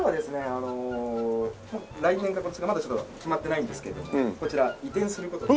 あの来年か今年かまだちょっと決まってないんですけれどもこちら移転する事に。